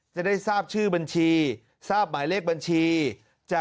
ลูกค้าผู้หญิงขี่มอเตอร์ไซด์มา